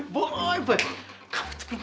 boy boy kamu itu pinter banget pinter banget